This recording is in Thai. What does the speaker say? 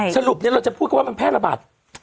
สรุปเราจะพูดกันว่ามันแพร่ระบาด